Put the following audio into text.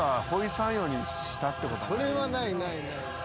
それはないない。